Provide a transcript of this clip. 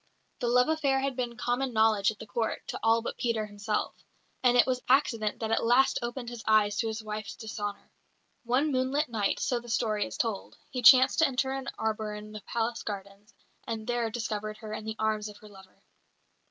The love affair had been common knowledge at the Court to all but Peter himself, and it was accident that at last opened his eyes to his wife's dishonour. One moonlight night, so the story is told, he chanced to enter an arbour in the palace gardens, and there discovered her in the arms of her lover.